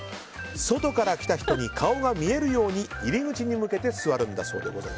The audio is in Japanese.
外から来た人に顔が見えるように入り口に向けて座るんだそうです。